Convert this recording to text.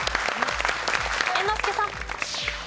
猿之助さん。